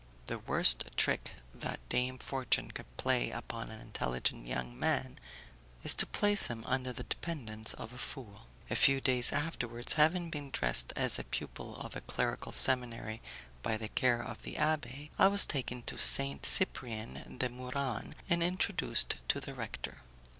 The worst trick that Dame Fortune can play upon an intelligent young man is to place him under the dependence of a fool. A few days afterwards, having been dressed as a pupil of a clerical seminary by the care of the abbé, I was taken to Saint Cyprian de Muran and introduced to the rector.